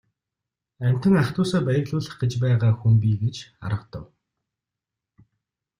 Амьтан ах дүүсээ баярлуулах гэж байгаа хүн би гэж аргадав.